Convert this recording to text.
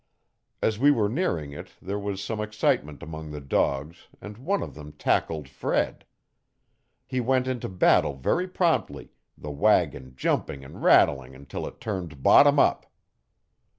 As we were nearing it there was some excitement among the dogs and one of them tackled Fred. He went into battle very promptly, the wagon jumping and rattling until it turned bottom up.